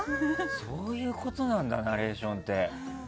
そういうことなんだナレーションって。